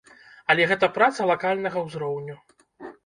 Але гэта праца лакальнага ўзроўню.